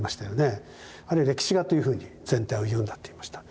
あるいは歴史画というふうに全体を言うんだと言いました。